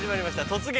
「突撃！